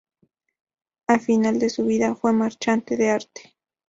A final de su vida fue marchante de arte.